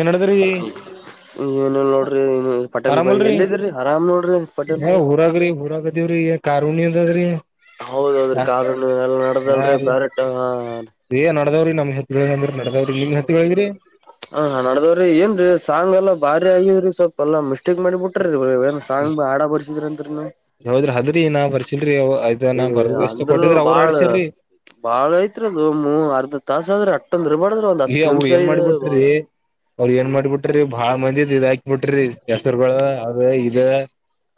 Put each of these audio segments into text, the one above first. ಏನ್ಡದ್ರಿ ಏನಿಲ್ಲ ನೋಡ್ರಿ ಪಟೇಲ್ ಬಾಯಿ ಆರಾಮಲ್ರಿ ಎಲ್ಲಿದ್ರಿ ಆರಾಮ್ ನೋಡ್ರಿ ಪಟೇಲ್ ಹಾ ಬಾಯಿ ಹುರಾಗ ರೀ ಹುರಾಾಗದ ರೀ ಕಾರುಣ ಅದ ರೀ ಹೌದೌದ್ರಿ ಕನು ಎಲ್ಲ ನಡ್ದಲ್ರೀ ಹಾರಿ ಬರೆ ಏ ನಡ್ದಾವ್ರೀ ನಮ್ ಹೆತ್. [inaudible] ಹಾ ನಡ್ದವ್ರಿ ಏನ್ರೀ ಸಾಂಗ್ ಎಲ್ಲಾ ಭಾರಿ ಆಗಿದ್ರಿ ಸ್ವಲ್ಪ ಎಲ್ಲಾ ಮಿಷ್ಟ ಮಾಡಿ ಬಿಟ್ರ ಏನ ಸಾಮಿ ಆಡ ಬರ್ಸಿದ್ರ ಅಂತರಿ ನೀ ಹೌದ್ರಿ ಅದ್ರಿ ನಾ ಬರ್ಸಿಲ್ರಿ ಅವ ಇದ ಏ ನಾ ಬರ್ ಅಷ್ಟ ಅಂದ್ರ ಕೊಟ್ಟಿದ್ರ ಅವ್ರ ಬಾಳ ಅಡ್ಸ್ಯಾರ್ರಿ ಬಾಳ ಐತ್ರಿದು ಮೂ ಅರ್ಧ ತಾಸ ಅ ಆದ್ರೆ ಅ ಈ ಅವವು ಏನ್ ಮಾಡ್ಬಿಟ್ರಿ ಅವ್ರ ಏನ್ ಮಾಡ್ಬಿಟ್ರಿ ಬಾಳ ಮ ಇದ ಹಾಕಿ ಬಿಟ್ರಿ ಎಸರ್ಗಳು ಅ್ರ ಇದ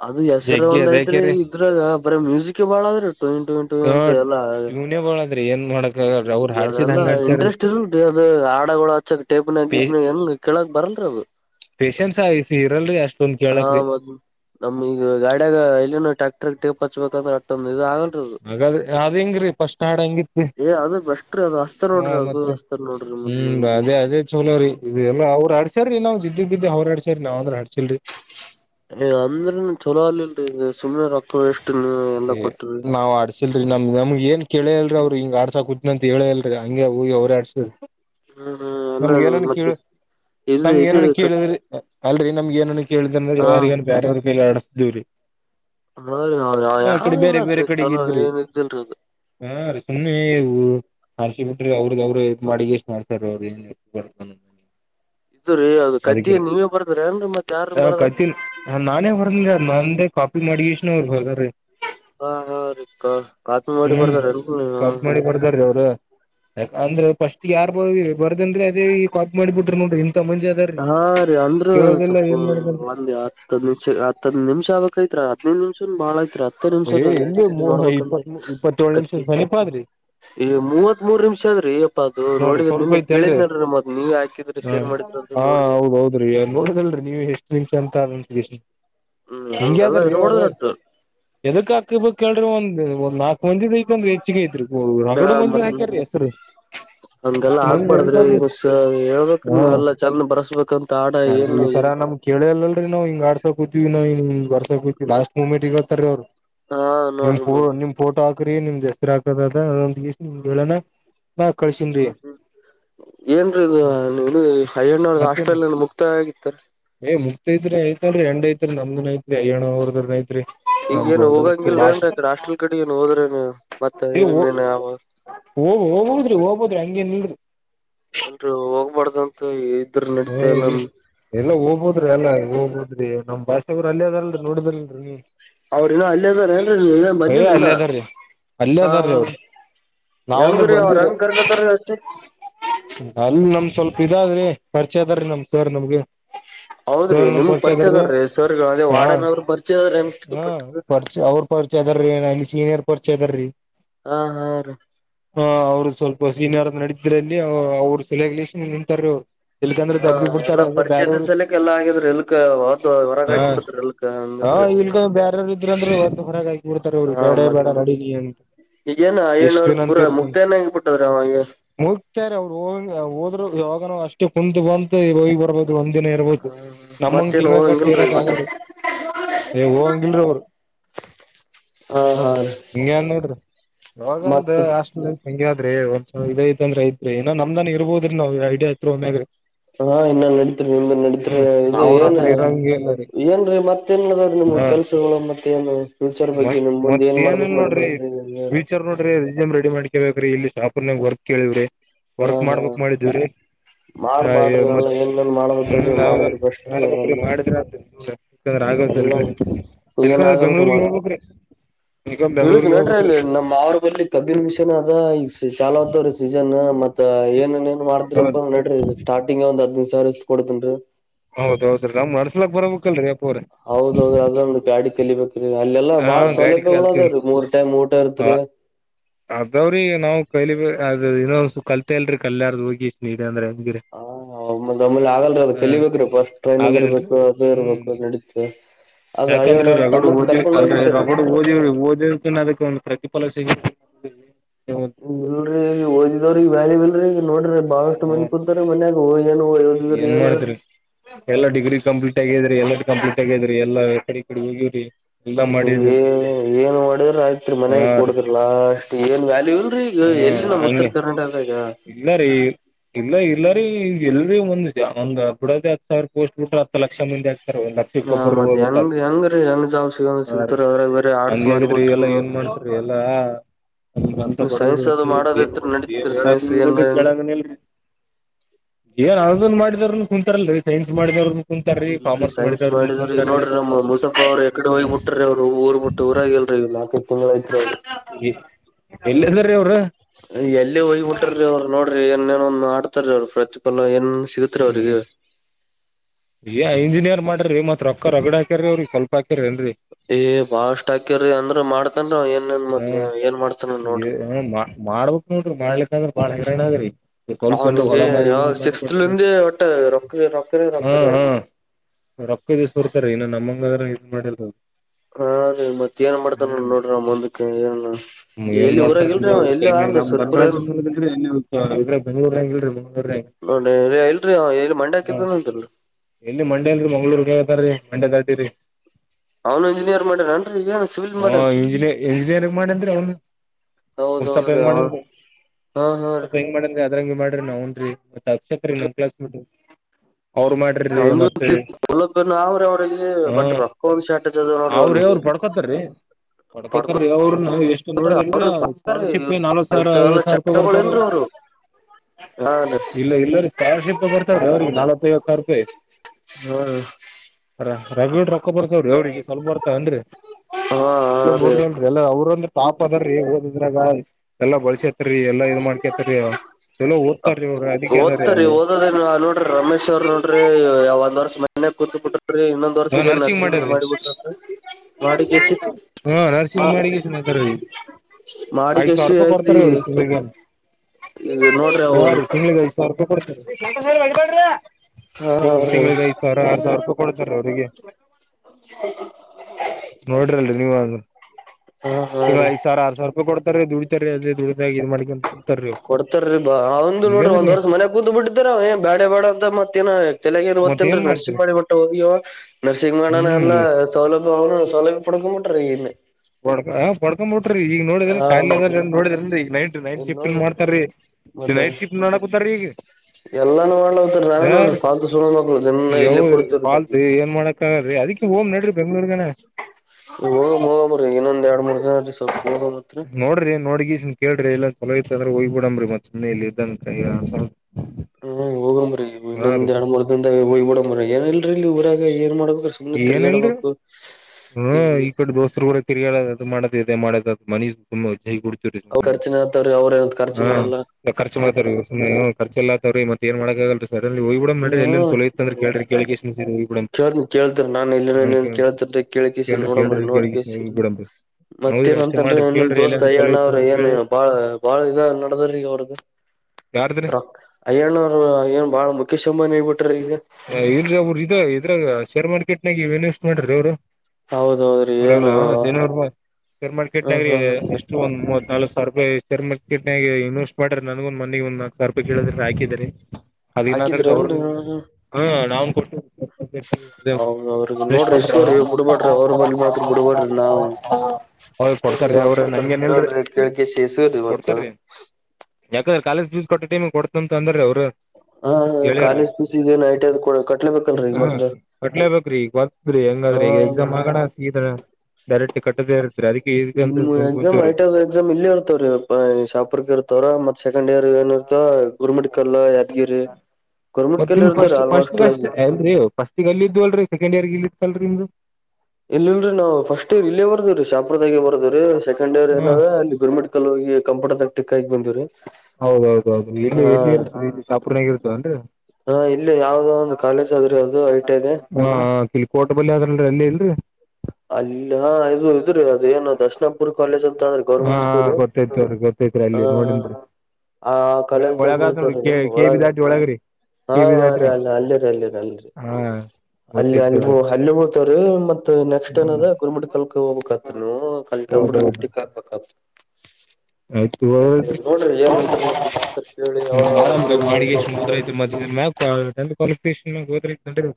ಅದು ಹೆಸರು ಜಗ್ಗಿ ಒಂದ್ ಅದ ಐತ್ರಿ ಹಾಕ್ಯಾರಿ ಇದ್ರಾಗ ಬರ ಮ್ಯೂಸಿಕ್ ಬಾಳದ್ರೀ ಟ್ವನ್ ಟ್ನ್ ಟ್ ಅಂತ ಎಲ್ಲ ಟ್ಯೂನೇ ಬಾಳದ್ರಿ ಏನ್ ಮಾಡಕ್ ಮತ್ತೆ ಆಗಲ್ರಿ ಅವ್ರು ಹಾಡ್ಸಿದ್ ಯಾವದೆಲ್ಲಾ ಹಂಗ ಹಾಡ್ಸ್ಯಾರಿ ಇಂಟ್ರೆಸ್ಟ್ ಇರುಂಟ ಅ ಹಾಡಗಳು ಹಚ್ಚಕ್ ಟೇಪ್ಿನ ಪೇ ಗಿಪ್ಿನ ಹೆಂಗ ಕೆಳಕ್ ಬರಲ್ರಿ ಅಗ ಪೇಶನ್ಸ್ ಇರಲ್ರಿ ಅಷ್ಟೊಂದ್ ಹಾ ಕೇಳಕ್ರಿ ಮದ್ ನಮ್ ಈಗ ಗಾಡಿಯಾಗ ಎಲ್ಲಿನ ಟ್ಯಾಕ್ಟರ್ ಟ ಹಚ್ಬೇಕಂದ್ರೆ ಅಟ್ಟ ಆಗಲ್ ಹಗಾದ ಅದ್ ಹೆಂಗ್ರೀ ಪಫಸ್ಟ್ ಹಾಡ್ ಹಂಗಿತ್ ರಿ ಅದು ಹಸ್ತ ನೋಡ್ರಿ ಅದು ಹಸ್ ನೋಡಿರಿ ಹ್ಮ್ ಅದೇ ಅದೇ ಚಲೋ ರೀ ಇ ಎಲ್ಲ ಅವ್ರು ಆಡ್ಸಾರಿೀ ನಾವ್ ಇದಿದ್ದುಗ್ ಬಿದ್ದೆ ಅವ್ರ ಆಡ್ಸಾರಿ ನಾವ್ ಅ್ರ ಆಡ್ಸ ಏ ಅಂದ್ರೆ ಚಲೋ ಅಲ್ಲಿಲ್ರಿ ಸುಮ್ನೆ ರಕ್ಕ ಎಷ್ಟ ಯ್ ನಾವ್ ಆಡ್ಸಿಲ್ರಿ ನಮ್ದ ನಮಗಗೆ ಏನ್ ಕೇಳಲ್ರರಿ ಅವ್ರರು ಹಿಂಗ ಆಡಸಾ ಕೂುದನ ಅಂತ ಹೇಳಿಲ್ರಿ ಹಂಗೆ ಹೋಗಿ ಅವ್ರ ಆಡ್ಸ್ ಹ್ಮ್ ಹ್ಮ್ ಎಲ್ಲ ನಮ್ಗ ಏನನ್ ಕೇಳ ಮತ್ತೆ ಇದು ನಮ್ಗೆ ಇದು ಏನನ್ ಕತ್ ಕೇಳಿದ್ರಿ ಅಲ್ರಿ ನಮಗ ಏನನ್ ಕೇಳಿದ ಅ್ರ ಹಾ ಯಾರಿಗಏ ಬೇಾರವ್ರ ಕೈಲಿ ಆಡಿಸಸಿದವ್ರಿ ಹ ಈ ಕಡೆ ಯಾವ ಬೇರೆ ಬೇರೆ ಕಡೆಗೆ ಚಲೋ ಇದ್ರೆ ಏನ್ ಇದಿಲ್ರಿ ಅದು ಹ ಸ ಹರ್ಸಿ ಬಿಟ್ರಿ ಅವ್ರಗ್ ಅವ್ರರು ಮಾಡಿಗೆ ಎಷ್ಟ್ ಮಾಡ್ತಾರ ಅವ್ರ. ಇದ್ರೀ ಅದು ಕತ್ತಿ ಅದಕ್ಕಿರ ನೀವೇ ಬರದ್ರ ಏನ್ ಮತ್ತ ಯಾರ ಬರದರ. ಅಂತೆ ಕಾಫಿ ಮಾಡಿಗೆಸ್ ಅವ್ರು ಬಾರ್ದಾರ. ಹೌದು ಹೌದು ಕಾಪಿ ಮಾಡಿ ಹ್ಮ್ ಬಾರ್ದಾರ ಅಂತಿನಲ್ಲ. ಯಾಕಂದ್ರ ಫಸ್ಟ್ ಯಾರ್ ಬ ಬರ್ದಂದ್ರೆ ಅದೇ ಈ ಕಾಿ ಮಾಡಿಬ ಬಿಟ್ರಿ ನೋಡ್ರ ಇ. ಹಾ ರೀ ಅಂದ್ ಸ್ವಲ್ಪ ಏನ್ ಮಾಡುದ ಒಂದ್ ಹತ್ತದ್ ನಿಮಿಷ ಹತ್ತ್ ನಿಮಿಷ ಆಗ್ಕ್ಐತ್ರಿ. ಹಡ್ನೈದು ನಿಮಿಷ ಬಾಳ ಯತ್ರಿ ಹತ್ತ ನಿಮಿಷ ಏ ಇರದು ಇಲ್ಲಿ ಆಕ್ಚುಲಿ ನೋಡ್ಬೇಕಂದ್ರೆ ಇಪ್ಪತ್ ಇಪ್ಪತ್ತಏಳ್ ನಿಮಿಷ ಕತ್ತಿ ಸಮೀಪ ಆದ್ರಿ ಈ ಮೂವತ್ತ್ ಮೂರ್ ನಿಮಿಷ ಅದ್ರಿ ಅದು ನೋಡ್ರಿ ನೋಡಿದ್ರ ಸ್ವಲ್ಪ ನಿನ್ ಐತೆೇನ್ರಿ ಕೇಳಿದ್ ನಡ್ರೀ ಮದ್ ನೀವ ಹಾಕಿದ್ರಿ ಶೇರ್ ಮಾಡಿದ್ರ. ಅಂತ ಹಾ ನೋಡಿದೆ ಹೌದೌದ್ರಿ ನೋಡುದಲ್ರರಿ ನೀವ ಎಷ್ಟ್ ನಿಮಿಷ ಅಂತ ಅಂ. ಹ್ಮ್ ಹಂಗೆಲ್ಲಾ ಹಿಂಗದ್ರೀ ಅವರು ಇರ್ಬಾರ್ದ್ರಿ ಎದಕ್ ಹಾಕಬೇಕ ಕೇಳ್ರಿ ಒಂದ ಒಂದ್ ನಾಕ್. ಮಂಜಿದ ಐಂದ್ರೆ ಹೆಚ್ಚಿಗೆ ಐತ್ರಿ ಹೊಗಡೆ ಮಂಜಿದ್ ಹಾಕಾರೀ ಹೆಸರು. ಹ ಹಂಗೆಲ್ಲಾ ಅಷ್ಟ್ ಮಂದಿ ಆಗ್ಬಾರಡ್ದ್ರಿ ಆಗ್ಬೋದು ಇನ್ನು ಸ ಹೇಳ್ಬೇಕ್ರ ಹಾ ನೀವೆಲ್ಲಾ ಚೆಂದ ಬರಸ್ಬೇಕಂತ ಆಟ ಏನು ಏನು. ಕೇಳಲ್ಲಲ್ರಿ ನಾವು ಹಿಂಗ ಆಡ್ಸಕತೀವಿ ನಾ. ವರ್ಷ ಕ ಲಾಸ್ಟ್ ಮುಮೆಂಟ್ತ್ತ ಅವರು ಹಾ ನಿಮ್ ನೋಡ್ರಿ ಫೋಟೋ ಮೊದ್ಲು ಮ್ ಫೋಟೋ ಹಾಕ. ನಿಮ್ ಹೆಸ್ರು ಆಕದದಾ ಅಂತ ಕಿಸಿ ಹೇಳೋಣ. [unintelligible] ಏನ್ರೀದು ನೀ ಅಯ್ಯಣ್ಣವ್ರ ಮತ್ತೇನ್ ಹಾಸ್ಟೆಲ್ ಮುಕ್ತ ಆಗಿತ್ತಾರ. ಏ ಮುಕ್ತ ಐತ್ರಿ ಐತಲ್ರಿ ಎಂಡ ಐತ್ರಿ ನಮ್ದನ ಐತ್ರಿ ಅಯ್ಯೋ ಅವಊದ ಐತ್ರಿ. ನಮ್ ಈಗೇಏನು ದೋಸ್ತ ಹೋಗಂಗಿಲ್ರ ಭಾಷ ಏನ್ರೀ ಅ ಹಾಸ್ಟೆಲ್ ಕಡೆ ಏನು ಹೋದ್ರೇನು ಮತ್ತ ಏನ ಯಾವ. ಹ ಹೋಗಬೋದ್ರಿ ಹೋಗಬೋದ್ರಿ ಹಂಗೇನ್ ಇಲ್ರರಿ ಇಲ್ರಿ ಹೋಗ್ಬಾರ್ದಂತ ಇದ್ರ ಹ ನಡೀತಾ ಇಲ್ಲ ಎಲ್ಲ ಹೋಗ್ಬೋದ್ರಿ ಎಲ್ಲ ಹೋಗಬೋದ್ರಿ ನಮ್ಮ್ ಭಾಷೆಗರು ಅಲ್ಲಿ ಅದಲ್ ನೋಡಿದ್ರ. ಅವ್ರಿನಾ ಅಲ್ಲಿದಾರ ಏನ್ರಿ ನೀನ್ ಏ ಬಂದಿಲ್ರಿನಾ ಅಲ್ಲೇ ಅದಾರ್ರೀ ಅಲ್ಲೇ ಹಾ ಅದಾರ್ರೀ ಹ. ಅವ್ರು ನಾವಂದ್ರ ಯಂಗರಿ ಅವ್ರು ಬಂದಿವ್ರಿ ಹೆಂಗ ಕರ್ಕೋತರಿ. ಅಲ್ಲಿ ನಮ್ ಸ್ವಲ್ಪ ಇದಾದ್ರಿ ಪರಿಚಯ ಅದ ರೀ ನಮ್ ಸರ್ ನಮ್ಗೆ. ಹ ಹೌದ್ರಿ ಸರ್ ನಮ್ ನಿಮಗ್ ಪರಿಚಯ ಪರಿಚೆ ಅದಾರ್ರೀ ಅದಾರೀ ಸರ್ ಅದೇ ಹಾ ವಾರ್ಡನ್ ಪರಿಚಯ ಅದ್ರ ಪಟ್. ದ್ರೀ ಅಲ್ಲಿ ಸೀಯರ್ ಪರ್ಚ ಅದಾರ್ರೀ. ಆ ಹ ರಿ ಹ ಅವ್ರು ಸ್ವಲ್ಪ ಸೀನಿಯರ್ ನಡಿತ್ರಿ ಅಲ್ಲಿ ಅವ್ರು ಸಲ ನಿಂತಾರಿ ಅವ್ರು. ಇಲ್ಕಂದ್ರೆ ಹಾ ದಬ್ಬಿ ಬಿಡ್ತಾರೆ ಎಲ್ಲಾ ಅದ ಪರಿಚದ ಬೇರವ್ರು ಸಲಿಕ್ಕೆ ಎಲ್ಲ ಆಗಿದ್ರ ಎಲ್ಕ್ ಹದು ಹೊರಗ ಹಾಕಬ ಬಿಡ್ತ್ರ ಎಲ್ಕ್ ಹಂಗದ್ರಿ. ಇಲ್ಗ ಬೇರ್ರರು ಇದ್ರಂದ್ರರು ಒ ಹೊರಗೆ ಆಗಿಬ ಬಿಡ್ತಾರೆ ಇವ್ರಿಗೆ ಬೇಡ ಬೇಡ ನಡೀಿನಿ ಅಂತ. ಈಗೇನ ಎಷ್ಟ್ ಐಏಣನ್ರದ ಪೂರ ಮುಕ್ತನ ಹಂಗ ಬಿಟ್ಟದ್ರ ಅವಗೆ. ಹೋಗ್ತಾರೆ ಅವ್ರು ಹ ಹೋದ್ರು ಯಾಗ ಅಷ್ಟೇ ಕುತ್ ಬಂತ ಹೋಗಿ ಬರ್ಬಹ. ಒಂದಿನ ಇರ್ಬೋದು ನಮ್ಮಂಗ ಮತ್ತೇನ್ ತಿಂಗಗಳಗಟ್ಲೆ ಹೋಗಂಗಿಲ್ರಿ ಇರಕ್ ಒಟ್ಟ ಆಗಲ್ಲ. ಏ ಹಾಗೊಂಗಿಲ್ಲ ರಿ ಅವರು. ಹೌದ ಹೌದ ರಿ ಯೋಗಂದ ಅಷ್ಟು. ಹಂಗ್ಯಾದ್ರೀ ಒಂದ್ಸಲ ಇದ ಐ ಅ್ರ ಐತ್ರಿ ಇ ನಮ್ದನ್ ಇರ್ಬೋದ್ರ ನಾವು ಐಡಾ ಐತ್ರಿ ಒಮ್ಮ್ಯಾಗ. ಹಾ ಇನ್ನ ನಡತ್ರಿ ನಿಮ್ದ ನಡತ್ರಿ ಹ್ಮ್ ಹ ಇದು ಏನ್. ಏನ್ರೀ ಮತ್ತೇನ್ ನಡೆದಾವ್ರೀ ನಿಮ್ಗೆ ಕೆಲ್ಸಗಳು ಮತ್ತೆ ಏನ್. ಫ್ಯೂಚರ್ ಬಗ್ಗೆ ಮತ್ ನಿಮ್ ಮುಂದ್ ಮತ್ ಏನ್ ಏನ ಮಾಡ್ಬೇಕ್ ನೋಡ್ರಿ ಮಾಡ್ಬೇಡ್ರಿ ಫ್ಯೂಚರ್ ನೋಡ್ರಿ ರಿಸಮ್ ರೆಡಿ ಮಾಡಿ. ಕೇಳ್ಬೇಕ್ರೀ ಇಲ್ಲಿ ಶಾಪೂರ್ನ ವರ್ಕ್ ಕೇಳಿವ್ರಿ ಹಾ ವರ್ಕ್ ಹಾ ಮಾಡ್ಬಕ್ ಮಾಡಿದಿವ್ರೀ. ಮಾಡ್ ಹ ಮಾಡ್ರಿ ಎಲ್ಲ ಮತ್ ಏನ್ನ್ ಮಾಡ್ಬೇಕಲ್ರರಿ ಮಾಡಿದ್ರಿ ಹ್ಮ ಬೆಸ್ಟ್ರಿ ಬಕರಿ ಅವೆಲ್ಲ ಮಾಡಿದ್ರೆ ಅ ಸ. ಯಾಕಂದ್ರ ಎಲ್ಲ ಆಗದಲ್ರಿ ಎಲ್ಕಂದ್ರ ಬೆಂಗ್ಳೂರ್ಗೆ ಹೋಗಬೇಕ್ರೀ. ಇಲ್ಕ ನಡ್ರಿ ಅಲ್ಲಿ ನಮ್ ಅವ್ರ ಬರ್ಲಿ ಕಬ್ಬಿನ ಮಿಷನ್ ಅದ ಈಗ ಚಾಲ ಅದವ್ರ ಸೀಸನ್. ಮತ್ತತ್ ಏನಏನ್ ಏನ್ ಹೌದ್ ಮಾಡ್ರಪ್ಪ ನಡ್ರಿ ಸ್ಟಾರ್ಟಿಂಗ್ ಒಂದ್ ಹದ್ೈದು ಸಾವಿರ ಇಷ್ಟ ಕೊಡತೇನ್ರಿ ಹೌದೌದ್ರೀ ನಮ್ ನಡ್ಸ್ಲಾಕ್ ಬರಬೇಕುಲ್ರರಿ ಹೌದೌದು ಅದ್ರೊಂದು ಗಾಡಿ ಕಲಿಬೇಕ ಅಲ್ಲೆಲ್ಲಾ ಹಾ ಬಾಳ ಗಾಡಿ ಕಲ್ತೀವಿ ಸೌಲಭ್ಯಗಳದಾವ್ರೀ ಮೂರ್ ಟೈಮ್ ಮೂಟ ಇರ್ತ್ರಿ ಪೈಲಿ ಅ ಇನ್ನೊಂದ್ಸು ಕಲ್ತೆ ಅಲ್ರರಿ ಕಲ್ಯಾರ್ದ ಹೋಗಿಷ್ಟ ನೀಡಿ ಅಂದ್ರೆ ಹಾ ಒಮ್ಮ ಆಮ್ಮಲೆ ಆಗಲ್ರಿ ಅದ ಹ ಕಲಿಬೇಕ್ರೀ ಫಸ್ಟ್ ಟ್ರೈನಿಂಗ್ ಆಗದಿಲ್ರಿ ಇರ್ಬೇಕು ಅದು ಹ್ಮ್ ಇರ್ಬೇಕು ನಡೀತೆ ಆ ಯಾಕಂದ್ರೆ ಅಯ್ಯೋ್ರು ರಗಡು ತಮ ಓದಿ ಕರ್ಕೊಂಡ ಅಲ್ರಿ ರಗಡು ಓದಿವವ್ರಿ ಓದಕಿನ್ ಅದಕ್ಕೆ ಒಂದಂದು ಪ್ರತಿಫಲ ಸಿಗ ಇಲ್ರೀ ಓದಿದವ್ರ ಈಗ ವ್ಯಾಲಿಲ್ರರಿ ಈಗ ನೋಡ್ರಿ ಬಾಳಷ್ಟು ಮಂದಿ ಕುೂಂತರ ಮನ್ಯಾಗ ಹ ಏನ್ ಮಾಡತ್ರಿ ಎಲ್ಲಾ ಡಿಗ್ರಿ ಕಂಪ್ಲೀಟ್ ಆಗಿದ್ರ ಎಲ್ಲರ ಕಂಪ್ಲೀಟ್ ಆಗ್ರರಿ ಎಲ್ಲ ಎ ಕಡೆ ಈ ಕಡೆ ಹೋಗಿ್ರಿ ಏ ಏನ್ ಒಡ್ರ ಆಯ್ತ್ರಿ ಹಾ ಮನೆಗ್ ರೀ ಕುಡದ್ರ ಲಾಸ್ಟ್ ಏನ್ ವ್ಯಾಲ್ಯೂ ಇಲ್ರೀ ಈಗ ಎಲ್ಲಿ ಹ್ಮ ನಮ್ಮ್ ಉತ್ತರ ಹಂಗೆ ಕರ್ನಾಟಕ ಅದಗ ಇಲ್ಲ ರೀ ಇಲ್ಲ ಇಲ್ಲಾರಿೀ ಎಲ್ರಿ ಒಂದ ಒಂದ್ ಬಿಡದ ಹತ್ತು ಸಾವಿರಾಯ ಪೋಸ್ಟ್ ಬಿಟ್ರ ಹತ್ತು ಲಕ್ಷ ಮಂದಿ ಆಗ್ತಾರೆ ಒಂದ್ ಲಕ್ಷಕ್ಕ ಹ ಒಬ್ಬರು ಮತ್ ಹೋಗ್ಬೇಕ ಹೆಂಗ್ ಹೆಂಗ್ರೀ ಹೆಂಗ್ ಜಾಬ್ ಸಿಗ ಹ ಸಿಗ್ತಾರ ಅದ್ರಾಗ ಬೇರೆ ಆರ್ಟ್ಸ್ ಹಂಗ ಆಗಿದ್ರಿ ಮಾಡ್ಬಿಟ್ರಿ ಎಲ್ಲಾ ನೀವು ಏನ್ ಮಾಡ್ಸ್ರಿ ಎಲ್ಲಾ ಅ ಅಂತ ನೀ ಬಡುದು ಸೈನ್ಸ್ ಅದು ಮಾಡೋದತ್ರ ನಡೀತಿದ್ರಿ ಸೈನ್ಸ್ ಏನ್ ಕೇಳಂಗನ ಏನ್ ಅದನ್ ಮಾಡಿದವ್ರ ಕುಂತಾರಲ್ಲೀ ಸೈನ್ಸ್ ಮಾಡಿದವ್ ಇಲ್ೀ ಸೈನ್ಸ್ ಮಾಡಿದ್ರಿ ನೋಡ್ರಿ ನಮ್ಮ ಮುಸಫ ಅವ್ರರು ಎಗಡೆ ಹೋಗಿಬ ಬಿಟ್ರಿ ಅವ್ರು ಊರ್ ಬಿಟ್ಟು ಊರಾಗಲ್ ನಾಲ್ಕೈ ತಿಂಗಳಾಯ್ತ್ ಅವದು ಎಲ್ಲ್ದ್ರೀ ಅವ್ರರು ಎಲ್ಲಿ ಹೋಗ್ಬಟ್ರಿ ಅವ್ರು ನೋಡ್ರಿ ಏನ್ೇನೊಂದ ಆಡ್ತಾರೀ ಅವ್ರು ಪ್ರತಿಫಲ ಏನ್ ಸಿಗತ್ರಿ ಹ್ಮ್ ಅವ್ರಿಗೆ ಇಂಜಿನಿಯರ್ ಮಾಡ್ರ ಮತ್ರ ರೊಕ್ಕ ರಗಡ ಹ್ರ ಸ್ವಪ ಹಾಕ್ರೇನ್ರಿ ಏ್ ಬಾಳಷ್ಟ ಹಾಕ್ಯರ ಅಂದ್ರ ಮಾಡ್ತನ್ ಏನ್ ಮಾಡ್ತಾನ ಹ್ಮ ನೋಡ್ರಿ ಹ ಮಾಡ್ಬಕ್ ನೋಡ್ರಿ ಮಾಡ್ಲಿಕ್ಕಂದ್ರ ಬಾಳ ಹಿರರಣ ಆಗ್ರಿ ಸ್ವಲ್ಪ ಎನ್ರು ಅವನಿಗೆ ಹೊಲ ಮಾರಿ ಯಾವಾಗ ಮಾಡಿಕೊಟ್ರೆ ಸಿಕ್ಸ್ತ್ಲಿಂದ ಒಟ್ಟ ರೊಕ್ಕ ರೊಕ್ಕರಿ ಹಾ ರೊಕ್ಕರಿ ಹಾ ಅವ್ನಿಗೆ ರೊಕ್ಕ ದಿವ್ ಬರ್ತಾರೆ ಇನ್ನು ನಮ್ಮಂಗ ಇದ್ ಮಾಡಿರ್ತದು ಹಾ ರೀ ಮತ್ತತ್ ಏನ್ ಮಾಡ್ತಾರ ನ ನೋಡ್ರಿ ನಮೊಂದ ಏನು ಏನ್ ಎಲ್ಲಿ ಊರಾಗ ಇಲ್ರಿ ಮಾಡ್ತಾರನ್ರಿ ಅವ ಎಲ್ಲಿ ಆನ್ೀ ಸುರ್ಪುರನ್ ್ರೆ ಬೆಂಗಗಳೂರಲ್ [unintelligible] ನೋಡ ಇಲ್ರಿ ಎಲ್ಲಿ ಮಂಡೆ ಹಾಕಿದನ ಅಂತಲ್ರಿ ಎಲ್ಲಿ ಮಂಡೇ ಅಲ್ರಿ ಮಂಗಗಳೂ ಕ ಹತಾರೀ ಮಂಡೆ ದಾಟಿ ರರಿ ಅವನು ಇಂಜಿನಿಯರ್ ಮಾಡೇನನ್ೀ ಈಗೇನು ಸಿವಿಲ್ ಮಾಡನ್ರಿ ಎಂಜಿನಿಯರಿಂಗ್ ಮಾಡೇನ್ರಿ ಅವ್ನು ಮುಸ್ತಾಪ ಹೌದೌದ್ರಿ ಹೆಂಗ ಅವ ಮಾಡನ್ ಹಾ ಹಾ ರೀ ಮುಸ್ತಾಪ ಹೆಂಗ್ ಮಾಡೇನ್ರಿ ಅ ಅದಂಗ ಮಾಡ್ರ ನಾವನ್್ರೀ ಮ ಅಕ್ಷಕರ ನಂಗನ್ ಕ್ಲಸ್ ಮಿ ನ ಪಲನ್ ಅವ್ರಿ ಅವ್ರಿಗೆ ಬಟ್ ರೊಕ್ಕ ಒಂದ್ ಶಾರ್ಟೇಜ್ ಅದ ನೋಡ್ರಿ ಅವ್ನಿಗೆ ಹೊಡ್ಕೋತೀ ಹೊಡ್ಕೋತ ಪಡ್ಕೊ ನ ಎಷ್ಟು ಅವ್ರ ನೋಡಿದಲ್ ಬರ್ತಾರೀ ಸ್ಕಾಲರ್ಶಿಪ್ ನಾಲ್ ಸಾವಿರ ಐವ್ ಅಂತವೆಲ್ಲ ಸಾವಿರ ರೂಪಾಯಿ ಬರ್ತಾರ ಚಟಗಳೇನ್ರಿ ಅವ್ರು ಹಾ ರೀ ಇಲ್ಲ ಇಲ್ಲ ಸ್ಕಾಲರ್ಶಿಪ್ ತ ಬರ್ತಾಲ ಸರ್ಪ ಹಾ ರಘು್ರ ರೊಕ್ಕ ಬರ್ತಾವವ್ರೀ ಅವ್ರಿಗೆ ಸ್ವಲ್ಪ ಬರ್ತಾವನ್ರಿ ಹಾ ಹಾ ರೀ ನೋಡ್ರನ್ ಊರಂದ್ ಟಾಪ್ ಅದ ರೀ ಓದಿದ್ರಾಗ ಎಲ್ಲಾ ಬಳಸತ್ರಿ ಎಲ್ಲಾ ಇದ್ ಮಾಡ್ಕತ್ರಿೀ ಹ ಓದ್ತಾರೀ ಓದೋದ ನೋಡ್ರಿ ರಮೇಶ್ ಅವ್ರರು ನೋಡ್ರಿ ಯಾವ ಒಂದ್ ವರ್ಷ ಮ ಅನ್ನ ಕುತ್ಕಟ್ಟು ನೋಡ್ರಿ ಇನ್ನೊಂದ್ ಹ ವರ್ಷಗ ನ್ ನರ್ಸಿಂಗ್ ಮಾಡ್ಯಾರೀ ಮಾಡಿಬಿಟ್ರ ಮಾಡಿಕ ಸಿ ಹಾ ನರ್ಸಿಂಗ್ [inaudible] ಮಾರಿಕ ಎಸ ಆಯ್ತು ಚ ನೋಡ್ರಿ ಹಾ ಅವು ರೀ ತಿಂಗ್ಳಿಗೆ ಐದ್ ಸಾವಿರ ರೂಪಾಯಿ ಕೊಡ್ತಾರ ಹಾ ತಿಂಗ್ ರೀ ತಿಂಗಳಿಗೆ ಐದ್ ಸಾವಿರ ಆರ್ ಸಾವಿರ ರೂಪಾಯಿ ಕೊಡ್ತಾರೆ ಅವ್ರರಿಗೆ. [unintelligible] ನೋಡ್ರಲ್ರಿ ನೀವಾದ್ರೂನೂ ಹಾ ಹಾ ತಿಂಗಳ ರೀ ಐದ್ ಸಾವಿರ ಆರ್ ಸಾವಿ ದುಡ್ಡುಕೊಡ್ತಾರೆ ದುಡಿತಾರೆ [unintelligible] ಮಾಡ್ಕೊಂಡು ಕೊಡ್ತರೀ ಬಾ ಅವಂದು ನೋಡ್ರಿ ಒಂದ್ ಹಿಂಗದ್ರಿ ವರ್ಷ ಮನೆಯ ಕುೂತ್ ಬಿಟ್ಟಿದಾರ ಅವ ಏ ಬ್ಯಾಡ ಬೇಡ ಅಂತ ಮತ್ತೇ ಏನ ತೆಲುಗುನ ಮತ್ ಓತ್ತನೆ ಏನ್ ನರ್ಸಿಂಗ್ ಮಾಡ್ತರಿ ಮಾಡಿಬಿಟ್ಟು ಹೋಗ್ಯಿ ನರ್ಸಿಂಗ್ ಮಾಡೋಣ ಹ್ಮ್ ರೀ ಅನ್ನೋ ಸೌಲಭ್ಯ ಅ ಅವನ ಸೌಲಭ್ಯ ಕೊಡ ಉನ್ರೀ ಇಲ್ಲಿ. ವಡ್ಕ ಹೊಡುಕೊಂಡು ಬಿಟ್ರು ಇಲ್ಲಿ ನೋಡಿದ್ರ ಹ ಕಾಯಿಲೆ ಮತ್ ನೋಡಿದ್ರ್ರ ಈಗ ನೈ ನೈಟ್ ಇನ್ ಶಿಫ್ಟಿಂಗ್ ನೋಡ್ರಿ ಮಾಡ್ತರಿ ಮತ್ತ ನೈಟ್ ಶಿಫ್ಟ್ ಮಾಡೋಕತರೀ ಈಗಿ. ಎಲ್ಲಾನು ಮಾಡ್ಲತಾರ ಯ, ನಾವೇ ನೋಡ್ರಿ ಫಾಲ್ತು ಸುಳ ಮಕ್ಳು ಜನ್ನ ಇಲ್ಲೇ ಯಾವುರಿ ಕುಡ್ತವ್ರಿ ಕಾಲ್ ಮತ್ ಏನ್ ಮಾಡಕ್ಕ್ ಆಗಲ್ರಿ ಅ ಇದುಕ್ಕೆ ಹೋಗು ನಡಿರಿ ಬೆಂಗಳೂರುಗೆನೆ. ಹ ಮೋಗರಿ ಇನ್ನೊಂದ್ ಎರಡು ಮೂರ್ ದಿನ ದಿವಸ. ನೋಡ್ರಿ ನೋಡ್ಗಿಸ್ ಕೇಳ್ರಿ ಎಲ್ಲ. ಹಲೋ ವೀಕ್ಷಕರೆ ಹೋಯ್ ಬಿಡಂಬ್ರಿ ಚುಮ್ನೆ ಇದ್ದಂಗ್ ಕಳೆಯ [unintelligible] ಹ್ಮ ಹೋಗೋಣ ಮತ್ತು. ಇನ್ನೊಂದೆರಡು ಎರಡು ಮೂರ್ ದಿನದಲ್ಲಿ ಹೋಗ್ಬಿಡನ್ ನಡಿ ಎಲ್ಲಿ ರೀ ನೀವಿರೋದು ಏನ್ ಮಾಡೋದು ಸುಮ್ನೆ ರೀ ಏನ್ ಇಲ್ರಿ ತಿರುಗಾಡಬೇಕು. ಹ್ಮ ಈ ಕಡೆ ದೋಸ್ತರು ಇವರು ತಿರಗಾಡದು ಮಾಡದಿದೆ ಮಾಡದು ಮನಿಜು ತುಂಬ ಕೈ ಕೊಡ ಅವ್ ಖರ್ಚಿನ ಆತವ್ರಿ ಅವ್ರೇಏನ ಖರ್ಚು ಮಾಡಲ್ಲ ಹ ಖರ್ಚು ಮಾಡ್ತಾರೆಲ್ಲ ಸುಮ್ನೆ. ಚೆಲ್ಲತಾರಿ ಮತ್ ಏನ್ ಮಾಡಕ್ಕಗಲ್ರಿ. ಸಡನ್ಲ್ ಹೋಗುಬರನ್ ನಡ್ರಿ ಹಾ ಎಲ್ ಎಲ್ ಚಲೋ ಇತ್ತು ಕೇಳ್ರಿ ಕ್ಯಾಲ್ಕಿಕಿಷನ್ ಹೋಗ್ಬಿಡೋಣ. ಕೇಳ್ತನ್ ಕೇಳ್ತಾರ ನಾನ್ ಇಲ್ಲಿನ್ ಕೇಳ್ತನ್ರಿ ಎಲ್ಲರೂ ಕೇಳಿ ವ್ಯಾಲ್ಯೂ ವಿಶನ್ ಬಿಡಂದ್ರಿ. ಮತ್ತೇಏನಂತನ್ರಿ ನಿಮ್ ದೋಸ್ತ್ ಅಯ್ಯಣ್ಣ ಇತ್ತ ಅವ್ರಿ ಅಂದ್ರ ಏನ್ ಕೇಳಿ ಬಾಳು ಬಾಳ್ ಇದೆ ನಡೆದಲ್ರಿ ಇವರದು. ಯಾರ್ದ್ರಿ ರೊಕ್ ಅಯ್ಯಣ್ಣ ಅವರೇ ಏನು ಬಾಳ ಮುಖೇಶ್ ಅಂಬಾನಿದು. ಇಲ್ರಿ ಅವರು ಇದು ಇದ್ರಾಗ ಶೇರ್ ಮಾರ್ಕೆಟ್ ನಾಗ ಇನ್ವೆಸ್ಟ್ ನೋಡ್ರಿ ರೇರ್. ಹೌದೌದ್ರಿ ಏನು ಹುದನ ಸಿಲ್ಲೆರೆನ ಶೇರ್ ಮಾರ್ಕೆಟ್ ಹ್ಮ ನಾಗೆ ಹಾ ಎಷ್ಟು ಒಂದ್ ಮೂವತ್ ನಲವತ್ತು ಸಾವರ ಶೇರ್ ಮಾರ್ಕೆಟ್ ನಂಗೆ ಇನ್ವೆಸ್ಟ್ ಮಾಡ್ರ ನನಗೊಂದು ಮನೆಹತ್ತು ಸಾವಿರರೂಪಾಯಿ ಕೇಳಿದ್ರೆ ಹಾಕಿದರಿ. ಅದು ಇನ್ನದರ್ಗ ಅವರುನ್ ಹಾಕಿದ್ರನ್ರಿ ಹ ನಾವು ಕೊಟ್ಟ ಅ ಹೌದ ಅವ್ರಿಗೆ ನೋಡ್ರಿ ಇಸ್ಕೋರಿ ಬಿಡ್ಬಾಡ್ರಿ ಅವ್ರ ಬಳಿ ಮಾತ್ರ ಬಿಡ್ಬಾಡ್ರಿ ನಾವು [unintelligible] ಹೌದು ನೋಡ್ರಿ ಕೊಡ್ತರಿ ಯಾವಾಗ ಅವ್ರು ಕೊಡ್ತಾರ ನನ್ಗೆ ನಿಲ್ರಿ ಕೇಳ್ರಿ ಕೇಳ್ಕೇಸಿ ಇಸ್ಕೋರಿ ಮತ್ತ ಕೊಡ್ತರಿ ಯಾಕದ್ ಕಾಲೇಜ್, ಫೀಸು ಕಟ್ಟಿದಿನಿ ಕೊಡ್ತಿ ಅಂತ ಅಂದ್ರಿ ಅವರು. ಹಾ ಹ ಕ ಕಾಲೇಜು ಪೀಸಿಗೆ ಏನ. ಹ ಕಟ್ಲೇಬೇಕ್ರಿ [unintelligible] ಈಗ ಹ ಹೆಂಗಾದ್ರೂ ಎಕ್ಸಾಮ್ ಆಗೋಣ ಸೀದಾ. ಡೈರೆಕ್ಟಿಕಟ ಡೈರೆಕ್ಟ್ ಕಟ್ಟು ಹ್ಮ ನಿಮ್ ಎಕ್ಸಾಮ್ ಐತಾ ಎಕ್ಸಾಮ್ ಇಲ್ಲೇ ಇರ್ತ ರೀ ಶಾಪುರ್ ಗಿರುತ್ತಾರ ಮತ್ ಸೆಕೆಂಡ್ ಇಯರ್ ಏನ್. ಗುರುಮುಟ್ ಕೆಲ್ಲಾ ಯಾದಗಿರಿ ಮತ್ ಗುರ್ಮಟ್ಟಕೆಲ್ಲ ನಿಮ್ ಅಂತಾರಾ. ಫಸ್ಟ್ ಇಯರ್ಸ್ ಕೆ ಅಲ್ರಿ ಫಸ್ಟ್ ಎಲ್ಲಿದ್ದು ಹೇಳ್ರಿ ಸೆಕೆಂಡ್ ಇಯರ್ ಇಲ್ಲತ್ರೀ ನೀವು. ಇನ್ನೊಂದು ನಾವು ಫಸ್ಟ್ ಇಲ್ಲೆ ಬರ್ತಿದ್ವಿ ಶಾಪುರುದಾಗ ಬರೋದು ರೀ ಸೆಕೆಂಡ್ ಇಯರ್ ಹ್ಮ್ ಇದ್ದಾಗ ಜಮೀನು ತಗೊಳು ನೀವು ಕಂಪ್ಯೂಟರ್ದು ಹತ್ತಿ ಕಾಯ್ ತಿಂತೀರಿ. ಹೌದೌದೌದು ಎಲ್ಲಿ ಎಲ್ಲಿ ಇರುತ್ತರ್ದೆ ಶಾಪೂರ್ನಗೆ ಇರ್ತದೆ ಎನ್ರಿ. ಹಾ ಇಲ್ಲಿ ಯಾವ್ದೋ ಒಂದು ಕಾಲೇಜ್ ಆದ್ರಿ ಅದು ಐ ಟಿ ಐ ದೆ ಹ ಇಲ್ಲಿ ಕೋಟೆಬಲ್ಲಿ ಆದ್ರೆ ಎಲ್ ಎಲ್ಲಿ. ಹು ಅಲ್ಲಾ ಇದು ಇದ್ರು ಅದ ಏನು ದರ್ಶಣಪುರ್ ಕಾಲೇಜ್ ಅಂತ ಗೌರ್ಮೆಂಟ್ ಸ್ಕೂಲ್. ಹ ಗೊತ್ತಿದ್ರಲ್ಲಿ ನೋಡಿಂದ್ರಾ. ಆ ಕಾಲೇಜ್ದಾಗೆ ನೋಡುತ್ತಿದ್ದೀರಿ ಕೆ ಬಿ ಒಳಗೆ. ದಾಟಿ ಒಳಗ್ರಿ ಹಾ ಕೆ ಬಿ ಅದು ದಾಟ್ರಿ ಅಲ್ಲ ಅಲ್ಲಿದಿ ಅಲ್ರಿ. ಅಲ್ಲಿ ಹಾ ಅಲ್ಲಿ ಗೊತ್ತೈತ್ ನೋಡ್ರಿ ಅಲ್ಲಿ ಬೂತರೀ ಮತ್ತೇ ನೆಕ್ಸ್ಟ್. ಹ್ಮ್ ತಂದಿದೆ ಕುರ್ಬಿಟ್ಟ ಕಲ್ ಹೋಗ್ಬೇಕಾಗ್ತಿಲ್ಲೋ ಕಲ್ಲುಕಮರ್ ಬಿಟ್ಟಿಗ್ ಹಾಕ್ಬೇಕತ್. [inaudible] ಅಲ್ಲಿ ನೋಡ್ರಿ ಏನಂತರ ನಿಮ್ ಮಾಸ್ತರ್ ಕೇಳಿ ಈ ಯಾವಾಗ ಎಕ್ಸಾಮ್ ಯಾವಾಗ ಕೇಳ್ರಿ ನಾಕುವ ಗಂಡು ತಲೆ ಫೀಸ್ನಗ ಹೋಗ್ಬರಿಕ್ ನಡಿರು.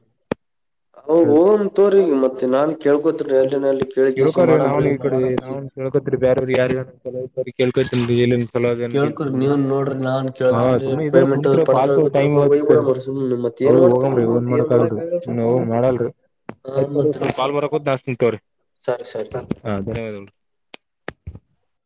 ಹ ಹ್ ಓನ್ ತೋರಿ ಮತ್ತೆ ನಾನ್ ಕೇಳ್ಕೊತ್ ಎಲ್ನಲ್ಲಿ ಕೇಳ್ ಕಸ ಮಾಡಬ್ರ ಮಾಡಸ ಬೇರೆ ಯಾರಿಗರ ಯಾರಗರ ಲನ ಕೇಳ್ಕೋರಿ ನೀವನ್ ನೋಡ್ರಿ ನಾನ್ ಹ ಕೇಳ್ತೇನ್ರಿ ಸುಮ್ಮನೆ ಇದ್ರ ಪೇಮೆಂಟ್ ಕುತ್ರ ಪಡ್ತ ಪಾಲ್ತ್ ಟೈಮ್ ಗೊತ್ತಪ್ಪ ಹೌದ ಒಯ್ಬಿಡಮ್ರಿ ಸುಮ್ನೆ ಮತ್ ಏನ್ ಮಾಡ್ತರಿ ಹೋಗ್ರಿ ಂದ್ ಕುಂತ್ ಏನ್ ಮಾಡಕ್ ಮಾಡಕಲ್ರರಿ ಆಗಲ್ರಿ ಮಾಡಲ್ರರಿ ಹಾ ಆಯ್ತ ತೋ್ರಿ ಮತ್ರಿ ಸ್ವಲ್ ಕಾಲ್ ಬರಕುಂತ ಅಚ್ಚ ತೋ್ರಿ ಹ ಧನ್ಯವಾದಗಳು ಹ